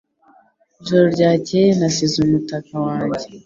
Ijoro ryakeye nasize umutaka wanjye .